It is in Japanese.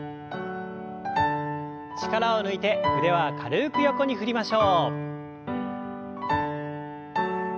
力を抜いて腕は軽く横に振りましょう。